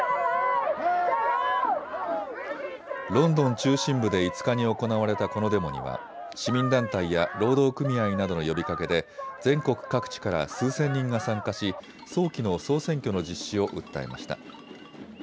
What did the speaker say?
ロンドン中心部で５日に行われたこのデモには市民団体や労働組合などの呼びかけで全国各地から数千人が参加し早期の総選挙の実施を訴えました。